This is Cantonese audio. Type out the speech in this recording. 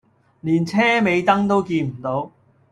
連車尾燈都見唔到